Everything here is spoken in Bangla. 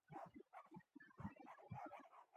মস্কো ও লেবাননে সাহিত্যসভায় ভারতের প্রতিনিধিত্ব করেন তিনি।